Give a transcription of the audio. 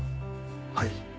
はい。